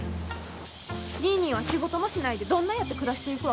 ニーニーは仕事もしないでどんなやって暮らしていくわけ？